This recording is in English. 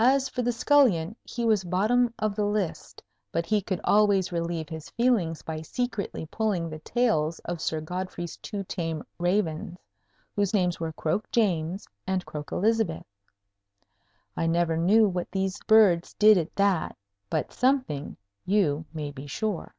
As for the scullion, he was bottom of the list; but he could always relieve his feelings by secretly pulling the tails of Sir Godfrey's two tame ravens, whose names were Croak James and Croak Elizabeth. I never knew what these birds did at that; but something, you may be sure.